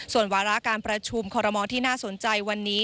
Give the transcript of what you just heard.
ส่วนวาระการประชุมคอรมอลที่น่าสนใจวันนี้